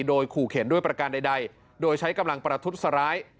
โดยขู่เข็นด้วยประการใดโดยใช้กำลังประทุษร้าย